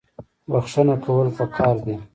بخښنه کول پکار دي